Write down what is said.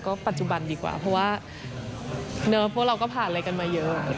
ก็ปัจจุบันดีกว่าเพราะว่าพวกเราก็ผ่านอะไรกันมาเยอะ